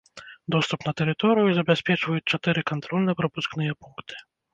Доступ на тэрыторыю забяспечваюць чатыры кантрольна-прапускныя пункты.